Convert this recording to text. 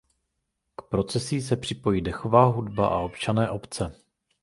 K procesí se připojí dechová hudba a občané obce.